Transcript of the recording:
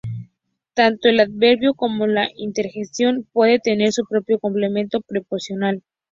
Tanto el adverbio como la interjección pueden tener su propio complemento preposicional.